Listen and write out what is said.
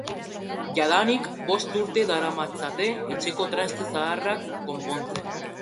Jadanik bost urte daramatzate etxeko traste zaharrak konpontzen.